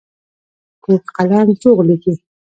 کوږ قلم دروغ لیکي